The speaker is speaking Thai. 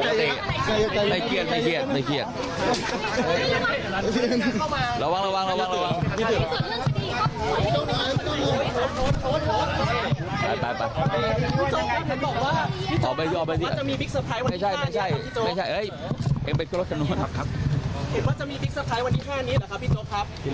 เห็นว่าจะมีบิ๊กเตอร์ไพรส์วันนี้แค่นี้เหรอครับพี่โจ๊กครับ